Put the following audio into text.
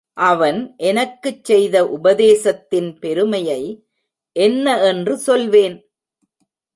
அவன் எனக்குச் செய்த உபதேசத்தின் பெருமையை என்ன என்று சொல்வேன்!